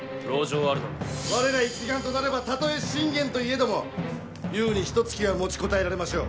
我ら一丸となればたとえ信玄といえども優にひとつきは持ちこたえられましょう。